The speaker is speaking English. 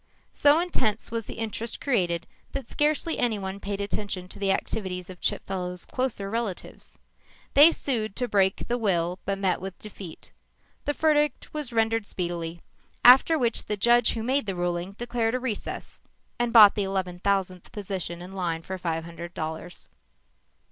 So intense was the interest created that scarcely anyone paid attention to the activities of Chipfellow's closer relatives. They sued to break the will but met with defeat. The verdict was rendered speedily, after which the judge who made the ruling declared a recess and bought the eleven thousandth position in line for five hundred dollars.